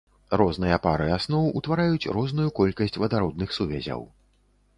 Розныя пары асноў утвараюць розную колькасць вадародных сувязяў.